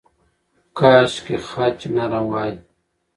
کاشکې خج نرم وای.